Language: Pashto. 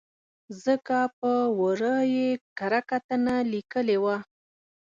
ځکه په ور ه یې کره کتنه لیکلې وه.